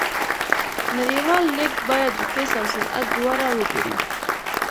نړیوال لیږد باید د فیس او سرعت دواړه وګوري.